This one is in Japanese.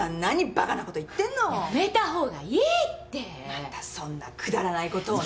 またそんなくだらないことをね。